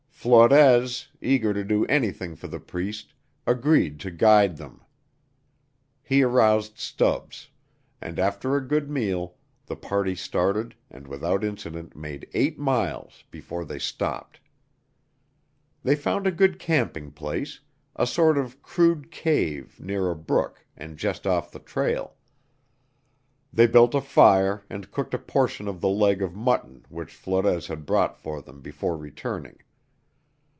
Flores, eager to do anything for the Priest, agreed to guide them. He aroused Stubbs, and after a good meal the party started and without incident made eight miles before they stopped. They found a good camping place a sort of crude cave near a brook and just off the trail. They built a fire and cooked a portion of the leg of mutton which Flores had brought for them before returning.